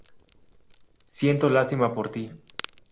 Siento lástima por ti.